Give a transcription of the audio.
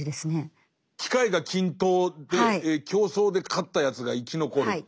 機会が均等で競争で勝ったやつが生き残るっていう。